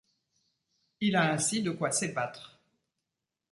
Il a ainsi de quoi s'ébattre.